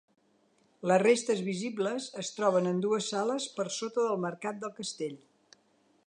Les restes visibles es troben en dues sales per sota del mercat del castell.